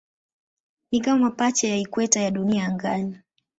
Ni kama pacha ya ikweta ya Dunia angani.